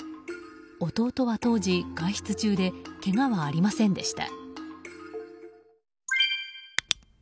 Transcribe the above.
弟は当時、外出中でけがはありませんでした。